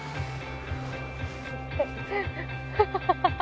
ハハハハ！